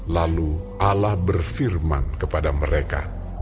lalu ala berfirman kepada mereka